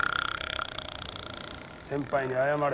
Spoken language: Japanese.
先輩に謝れ。